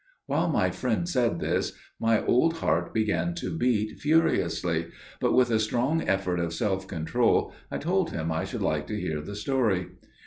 "While my friend said this, my old heart began to beat furiously; but, with a strong effort of self control, I told him I should like to hear the story.